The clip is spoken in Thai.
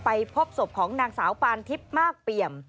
พบศพของนางสาวปานทิพย์มากเปี่ยม